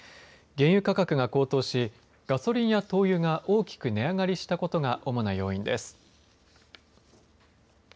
原油価格が高騰しガソリンや灯油が大きく値上がりしたことが主な要因です。